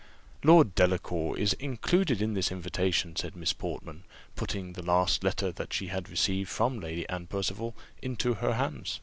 "Lord Delacour is included in this invitation," said Miss Portman, putting the last letter that she had received from Lady Anne Percival into her hands.